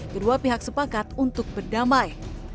kedua pihak sepakat untuk berdamai